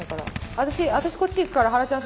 私私こっち行くからハラちゃん